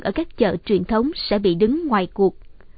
ở các chợ truyền thống sẽ bị đứng ngoài cuộc